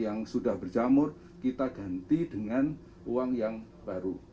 yang sudah berjamur kita ganti dengan uang yang baru